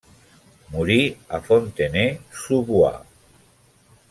Morí a Fontenay-sous-Bois.